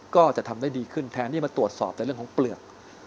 ก็จะทำได้ดีขึ้นแทนที่มาตรวจสอบในเรื่องของเปลือก